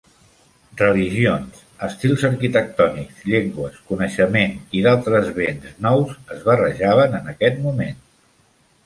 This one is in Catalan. Religions, estils arquitectònics, llengües, coneixement i d'altres bens nous es barrejaven en aquest moment.